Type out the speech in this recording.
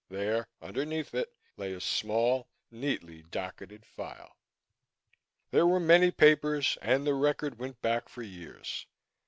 There, underneath it, lay a small, neatly docketed file. There were many papers and the record went back for years.